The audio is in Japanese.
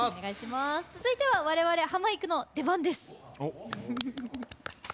続いては我々ハマいくの出番です。